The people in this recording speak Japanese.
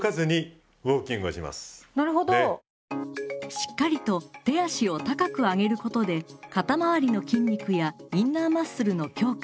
しっかりと手足を高く上げることで肩周りの筋肉やインナーマッスルの強化